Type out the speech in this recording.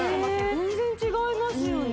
全然違いますよね